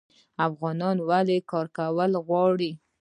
افغانان ولې کار کول غواړي؟